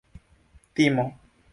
timo